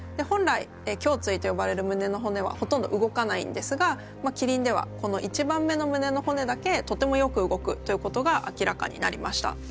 本来胸椎と呼ばれる胸の骨はほとんど動かないんですがキリンではこの１番目の胸の骨だけとてもよく動くということが明らかになりました。